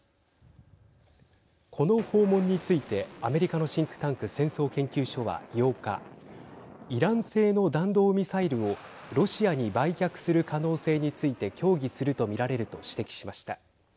この訪問について、アメリカのシンクタンク、戦争研究所は８日、イラン製の弾道ミサイルをロシアに売却する可能性について協議すると見られると指摘しました。